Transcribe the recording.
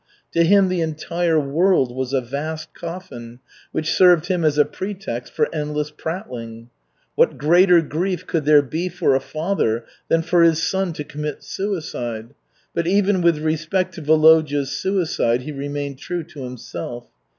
To him the entire world was a vast coffin which served him as a pretext for endless prattling. What greater grief could there be for a father than for his son to commit suicide? But even with respect to Volodya's suicide he remained true to himself.